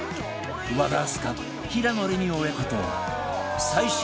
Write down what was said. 和田明日香平野レミ親子と最新！